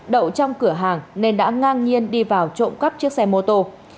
đậu trong cửa hàng nên đã ngang nhiên đi vào trộm cắp chiếc xe mô tô